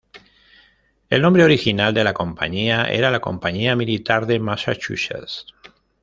El nombre original de la Compañía era "La Compañía Militar de Massachusetts".